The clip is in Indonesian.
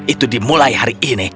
itu dimulai hari ini